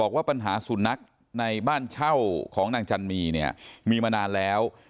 ว่าปัญหาสุนัขในบ้านเช่าของนางจันมีเนี่ยมีมานานแล้ว